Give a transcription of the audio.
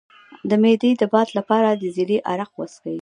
د معدې د باد لپاره د زیرې عرق وڅښئ